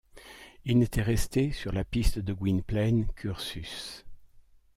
Il n’était resté, sur la piste de Gwynplaine, qu’Ursus.